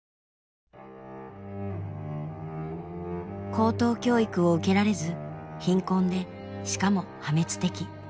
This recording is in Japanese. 高等教育を受けられず貧困でしかも破滅的。